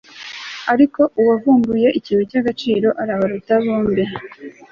ariko uwavumbuye ikintu cy'agaciro, arabaruta bombi